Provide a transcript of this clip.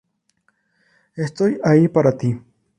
Estoy ahí para ti".